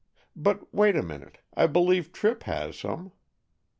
But wait a minute, I believe Tripp has some."